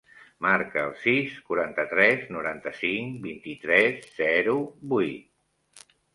Marca el sis, quaranta-tres, noranta-cinc, vint-i-tres, zero, vuit.